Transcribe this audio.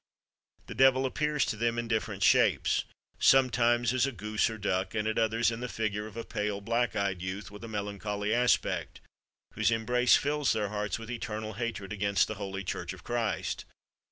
The devil appears to them in different shapes, sometimes as a goose or a duck, and at others in the figure of a pale black eyed youth, with a melancholy aspect, whose embrace fills their hearts with eternal hatred against the holy Church of Christ.